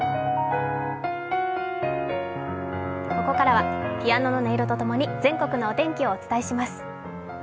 ここからはピアノの音色とともに、全国のお天気をお伝えします。